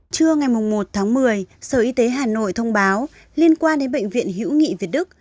trưa ngày một tháng một mươi sở y tế hà nội thông báo liên quan đến bệnh viện hữu nghị việt đức